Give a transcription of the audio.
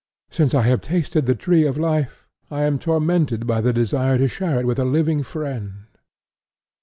Since I have tasted the tree of life I am tormented by the desire to share it with a loving friend.'